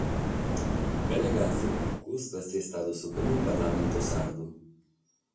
Belle gasi, custu est istadu su primu parlamentu sardu.